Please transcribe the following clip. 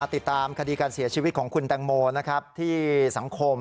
ติดตามคดีการเสียชีวิตของคุณแตงโมที่สังคม